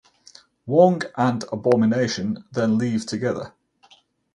Wong and Abomination then leave together.